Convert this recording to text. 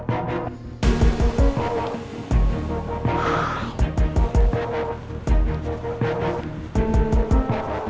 ini langsung selesai nah dimulai nanti